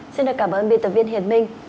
xin cảm ơn biên tập viên hiền minh